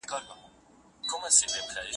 د عشق د راز و نیاز کیسې به نه سپړي هیچا ته